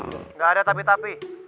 nggak ada tapi tapi